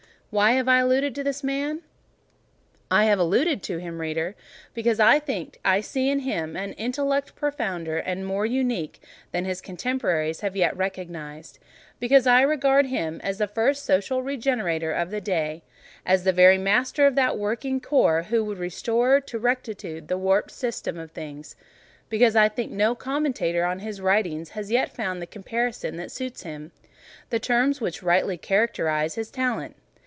Why have I alluded to this man? I have alluded to him, Reader, because I think I see in him an intellect profounder and more unique than his contemporaries have yet recognised; because I regard him as the first social regenerator of the day—as the very master of that working corps who would restore to rectitude the warped system of things; because I think no commentator on his writings has yet found the comparison that suits him, the terms which rightly characterise his talent.